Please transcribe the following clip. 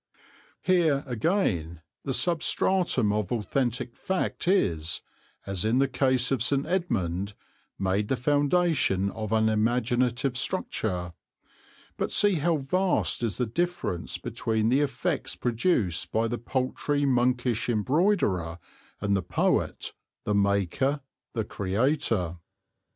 Here, again, the substratum of authentic fact is, as in the case of St. Edmund, made the foundation of an imaginative structure; but see how vast is the difference between the effects produced by the paltry monkish embroiderer and the Poet, the maker, the creator.